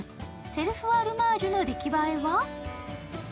セルフ・アリュマージュの出来ばえは？